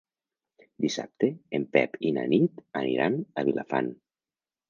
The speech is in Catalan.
Dissabte en Pep i na Nit aniran a Vilafant.